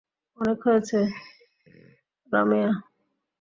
অনেক হয়েছে, রাম্যায়া।